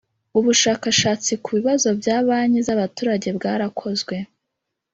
ubushakashatsi ku bibazo bya banki z'abaturage bwarakozwe